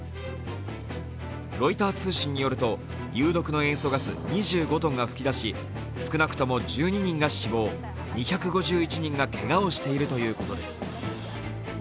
ロイター通信によると、有毒の塩素ガス２５ｔが噴き出し少なくとも１２人が死亡２５１人がけがをしているということです。